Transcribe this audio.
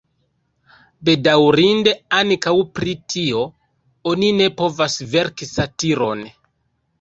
Bedaŭrinde ankaŭ pri tio oni ne povas verki satiron.